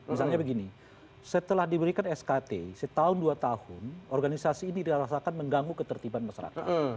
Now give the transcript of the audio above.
misalnya begini setelah diberikan skt setahun dua tahun organisasi ini dirasakan mengganggu ketertiban masyarakat